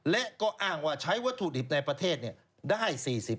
และก็อ้างว่าใช้วัตถุดิบในประเทศได้๔๐